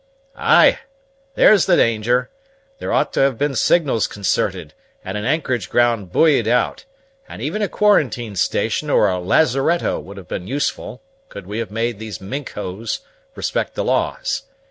"Ay, there's the danger. There ought to have been signals concerted, and an anchorage ground buoyed out, and even a quarantine station or a lazaretto would have been useful, could we have made these Minks ho respect the laws.